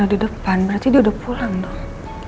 di depan berarti dia udah pulang dong